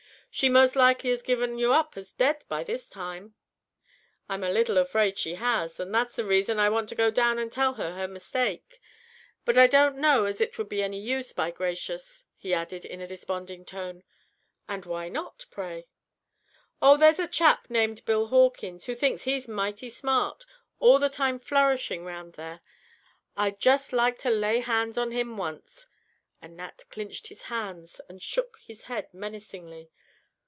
"She most likely has given you up as dead by this time." "I'm a little afraid she has, and that's the reason I want to go down and tell her her mistake. But I don't know as it would be any use, by gracious!" he added, in a desponding tone. "And why not, pray?" "Oh, there's a chap named Bill Hawkins, who thinks he's mighty smart, all the time flourishing round there. I'd just like to lay hands on him once," and Nat clinched his hands and shook his head menacingly.